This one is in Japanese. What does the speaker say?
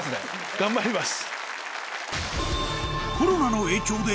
頑張ります。